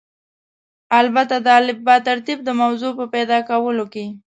البته د الفبا ترتیب د موضوع په پیدا کولو کې.